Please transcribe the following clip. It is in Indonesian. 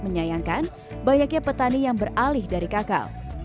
menyayangkan banyaknya petani yang beralih dari kakao